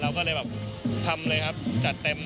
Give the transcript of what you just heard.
ก็เลยแบบทำเลยครับจัดเต็ม